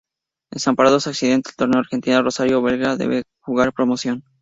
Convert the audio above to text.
Desamparados asciende al "Torneo Argentino A", Rosario Puerto Belgrano debe jugar promoción.